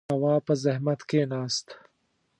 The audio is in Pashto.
تواب په زحمت کېناست.